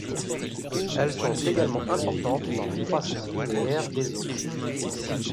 Elles sont également importantes dans la croissance linéaire des os.